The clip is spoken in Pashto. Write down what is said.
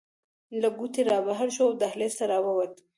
له کوټې رابهر شوو او دهلېز ته راووتو.